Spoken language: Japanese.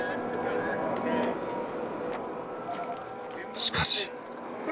しかし。